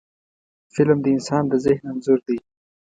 فلم د انسان د ذهن انځور دی